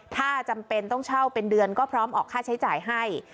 ถ้าจำเป็นต้องเช่าเป็นเดือนก็พร้อมออกค่าใช้จ่ายให้